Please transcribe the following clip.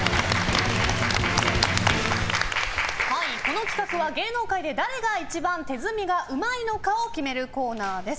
この企画は芸能界で誰が一番手積みがうまいのかを決めるコーナーです。